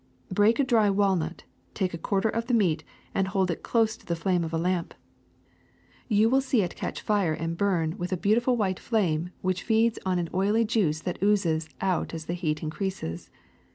Break a dry walnut, take a quarter of the meat, and hold it close to the flame of a lamp. OLIVE OIL 211 You will see it catch fire and bum with a beautiful white flame which feeds on an oily juice that oozes out as the heat increases.